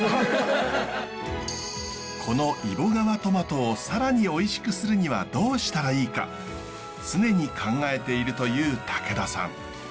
この揖保川トマトを更においしくするにはどうしたらいいか常に考えているという竹田さん。